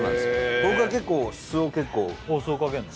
僕は結構酢を結構お酢をかけるの？